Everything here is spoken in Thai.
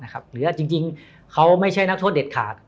หรือจริงเขาไม่ใช่นักโทษเด็ดขาด